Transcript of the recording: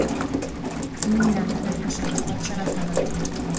د مینې ارزښت د صداقت سره تړلی دی.